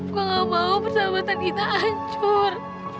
gue gak mau persahabatan kita ancur